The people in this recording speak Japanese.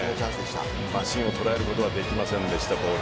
芯を捉えることできませんでした。